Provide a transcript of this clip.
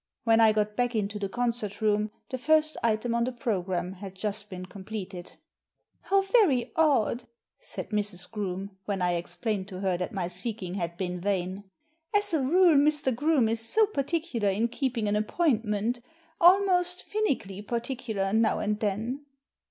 When I got back into the concert room the first item on the programme had been just completed * How very odd I " said Mrs. Groome, when I explained to her that my seeking had been vain. ••As a rule Mr. Groome is so particular in keeping an appointment Almost finically particular now and then."